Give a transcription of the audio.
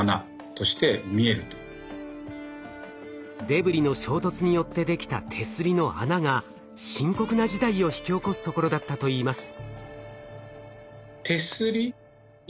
デブリの衝突によってできた手すりの穴が深刻な事態を引き起こすところだったといいます。